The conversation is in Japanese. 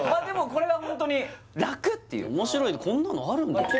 でもこれはホントに楽っていう面白いこんなのあるんだ